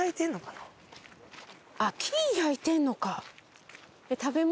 あっ木焼いてるのか。